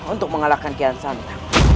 untuk mengalahkan kian santang